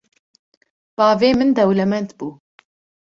Bavê min dewlemend bû